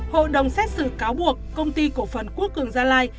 hội đồng xét xử cáo buộc công ty cổ phần quốc cường gia lai